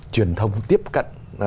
truyền thông tiếp cận